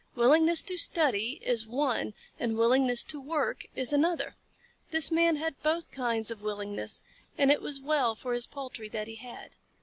Willingness to study is one and willingness to work is another. This Man had both kinds of willingness, and it was well for his poultry that he had.